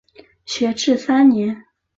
学制三年。